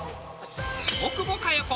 大久保佳代子